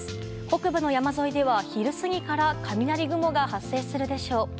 北部の山沿いでは昼過ぎから雷雲が発生するでしょう。